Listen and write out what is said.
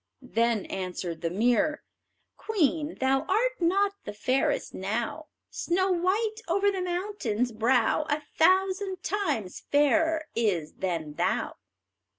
Then answered the mirror: "Queen, thou art not the fairest now; Snow white over the mountain's brow A thousand times fairer is than thou."